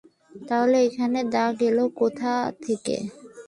তাহলে এখানে দাগ এলো কোথ্থেকে?